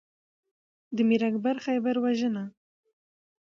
د میر اکبر خیبر وژنه